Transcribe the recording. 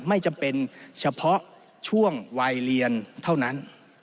ไม่จำเป็นเฉพาะช่วงวัยเรียนเท่านั้น